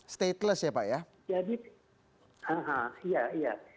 stateless ya pak ya